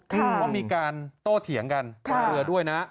เพราะว่ามีการโตเถียงกันเผื่อด้วยนะ